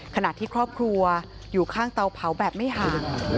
ขณะที่ครอบครัวอยู่ข้างเตาเผาแบบไม่ห่าง